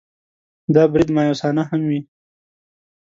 دا برید مأیوسانه هم وي.